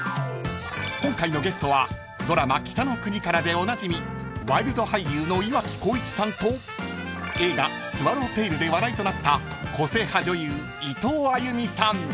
［今回のゲストはドラマ『北の国から』でおなじみワイルド俳優の岩城滉一さんと映画『スワロウテイル』で話題となった個性派女優伊藤歩さん］